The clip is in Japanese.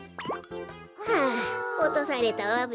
あおとされたわべ。